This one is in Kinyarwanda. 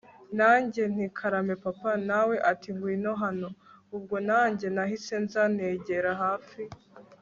nanjye nti karame papa! nawe ati ngwino hano! ubwo nanjye nahise nza negera hafi